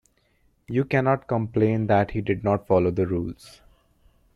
You cannot complain that he did not follow the rules.